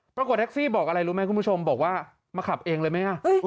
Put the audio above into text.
ปรากฏแท็กซี่บอกอะไรรู้ไหมคุณผู้ชมบอกว่ามาขับเองเลยไหม